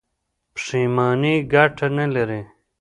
پښیماني ګټه نلري.